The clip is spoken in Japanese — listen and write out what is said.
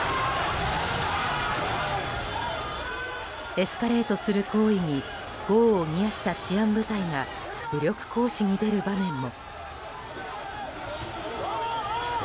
エスカレートする行為に業を煮やした治安部隊が武力行使に出る場面も。